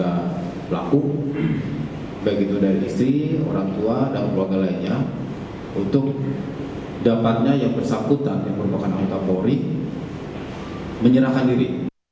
kepada pelaku baik itu dari istri orang tua dan keluarga lainnya untuk dapatnya yang bersangkutan yang merupakan anggota polri menyerahkan diri